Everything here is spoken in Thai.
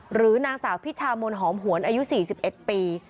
หรือนางสาวพิชามนหอมหวนอายุ๔๑ปี